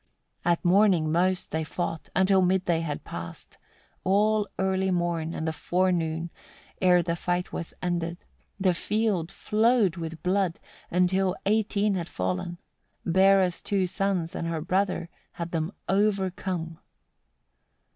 50. At morning most they fought, until mid day had passed; all early morn, and the forenoon, ere the fight was ended, the field flowed with blood, until eighteen had fallen: Bera's two sons, and her brother, had them overcome.